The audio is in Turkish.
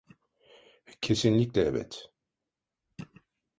Kesinlikle evet.